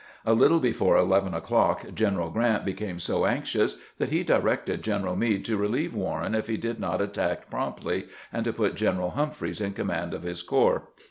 A little be fore eleven o'clock General Grant became so anxious that he directed General Meade to relieve "Warren if he did not attack promptly, and to put General Humphreys in command of his corps.